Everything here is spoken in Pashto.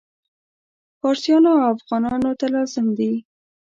فارسیانو او افغانانو ته لازم دي.